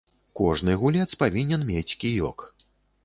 Кожны гулец павінен мець кіёк.